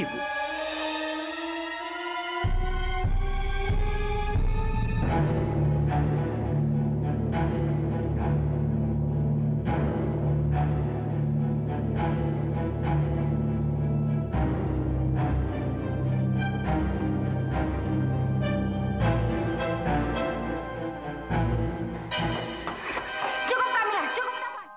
hai coba cukup